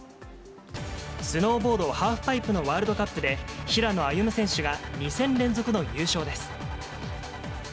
スノーボードハーフパイプのワールドカップで、平野歩夢選手が、２戦連続の優勝です。